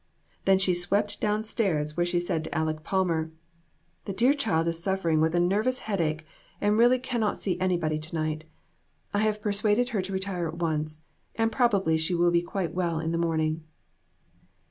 Then she swept down stairs, where she said to Aleck Palmer "The dear child is suffering with a nervous 296 AN EVENTFUL AFTERNOON. headache, and really cannot see anybody to night. I have persuaded her to retire at once, and proba bly she will be quite well in the morning."